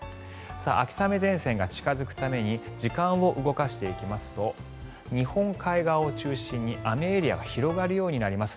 秋雨前線が近付くために時間を動かしていきますと日本海側を中心に雨エリアが広がるようになります。